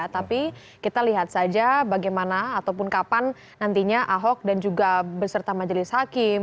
tapi kita lihat saja bagaimana ataupun kapan nantinya ahok dan juga beserta majelis hakim